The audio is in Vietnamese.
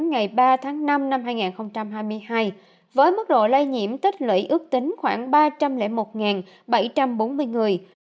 ngày ba tháng năm năm hai nghìn hai mươi hai với mức độ lây nhiễm tích lũy ước tính khoảng ba trăm linh một bảy trăm bốn mươi người